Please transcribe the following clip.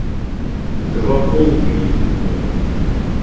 Два полки їх було.